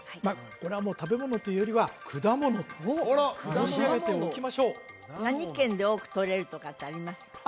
これはもう食べ物というよりは果物と申し上げておきましょう何県で多くとれるとかってあります？